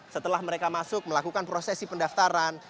setelah mereka masuk melakukan prosesi pendaftaran